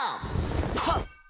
はっ！